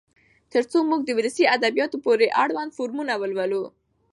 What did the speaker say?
تر څو موږ د ولسي ادبياتو پورې اړوند فورمونه ولولو.